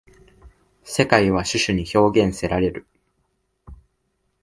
世界は種々に表現せられる。